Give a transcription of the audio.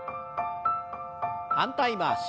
反対回し。